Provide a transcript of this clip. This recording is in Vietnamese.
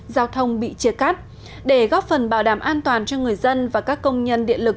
giao thông bị chia cắt để góp phần bảo đảm an toàn cho người dân và các công nhân điện lực